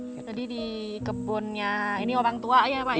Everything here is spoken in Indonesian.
jadi di kebunnya ini orang tua ya pak